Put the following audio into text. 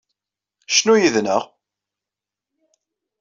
Cnu yid-neɣ.